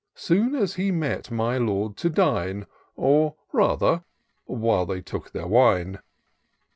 Soon as he met my Lord to dine, Or rather, while they took their wine.